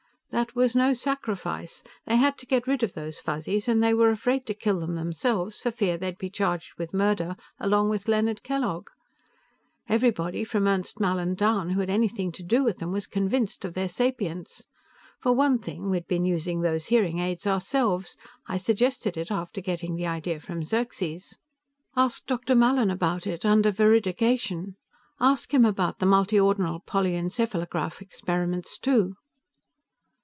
"That was no sacrifice. They had to get rid of those Fuzzies, and they were afraid to kill them themselves for fear they'd be charged with murder along with Leonard Kellogg. Everybody, from Ernst Mallin down, who had anything to do with them was convinced of their sapience. For one thing, we'd been using those hearing aids ourselves; I suggested it, after getting the idea from Xerxes. Ask Dr. Mallin about it, under veridication. Ask him about the multiordinal polyencephalograph experiments, too."